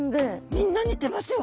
みんな似てますよ。